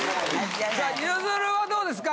さあゆずるはどうですか？